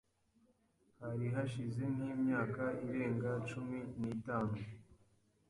Hari hashize nk’imyaka irenga cumi n’itanu